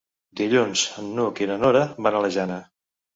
Dilluns n'Hug i na Nora van a la Jana.